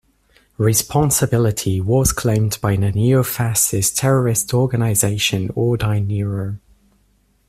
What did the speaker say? Responsibility was claimed by the neo-fascist terrorist organization Ordine Nero.